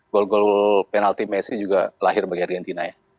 gol gol penalti messi juga lahir bagi argentina ya